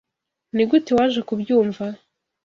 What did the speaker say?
Nigute waje kubyumva?